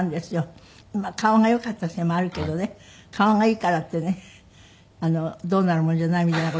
顔が良かったせいもあるけどね顔がいいからってねどうなるもんじゃないみたいな事